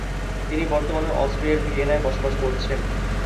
তিনি বর্তমানে অস্ট্রিয়ার ভিয়েনায় বসবাস করছেন।